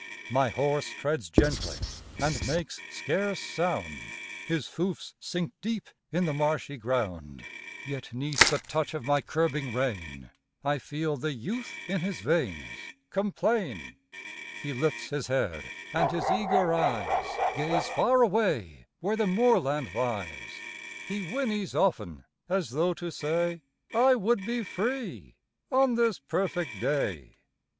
My horse treads gently, and makes scarce sound, His hoofs sink deep in the marshy ground, Yet 'neath the touch of my curbing rein I feel the youth in his veins complain, He lifts his head, and his eager eyes Gaze far away where the moorland lies, He whinnies often, as though to say I would be free on this perfect day!